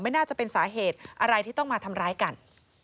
น่าจะเป็นสาเหตุอะไรที่ต้องมาทำร้ายกัน